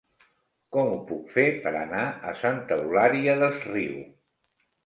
Com ho puc fer per anar a Santa Eulària des Riu?